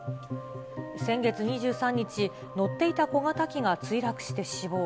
先月２３日、乗っていた小型機が墜落して死亡。